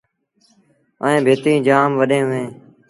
ائيٚݩ ڀتيٚن جآم وڏيݩ اوهيݩ۔